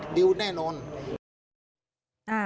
มีดิวด์แน่นอน